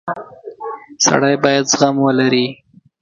• سړی باید زغم ولري.